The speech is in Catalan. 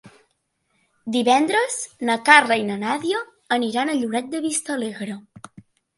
Divendres na Carla i na Nàdia aniran a Lloret de Vistalegre.